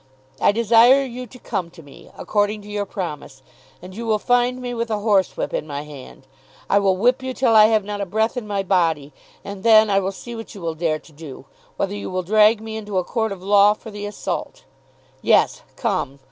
I desire you to come to me, according to your promise, and you will find me with a horsewhip in my hand. I will whip you till I have not a breath in my body. And then I will see what you will dare to do; whether you will drag me into a court of law for the assault. Yes; come.